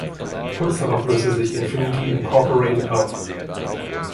Kurz darauf löste sich Infinity Incorporated auf.